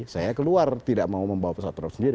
kalau kamu mau caranya kamu bawa aja pesawatnya sendiri